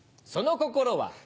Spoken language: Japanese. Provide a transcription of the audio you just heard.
その心は。